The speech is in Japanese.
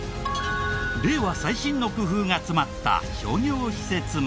令和最新の工夫が詰まった商業施設まで。